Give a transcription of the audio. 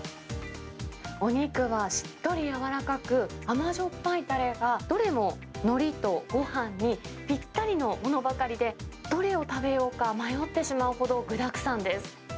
お肉はしっとり柔らかく、甘じょっぱいたれが、どれも、のりとごはんにぴったりのものばかりで、どれを食べようか迷ってしまうほど具だくさんです。